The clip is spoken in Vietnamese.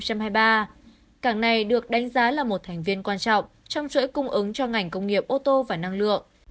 cảng này được đánh giá là một thành viên quan trọng trong chuỗi cung ứng cho ngành công nghiệp ô tô và năng lượng